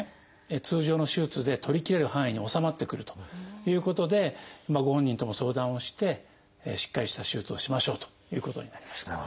通常の手術で取り切れる範囲に収まってくるということでご本人とも相談をしてしっかりした手術をしましょうということになりました。